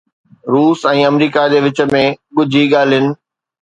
روس ۽ آمريڪا جي وچ ۾ ڳجهي ڳالهين